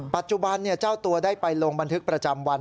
ปัจจุบันเจ้าตัวได้ไปลงบันทึกประจำวัน